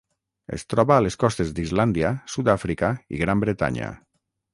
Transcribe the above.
Es troba a les costes d'Islàndia, Sud-àfrica i Gran Bretanya.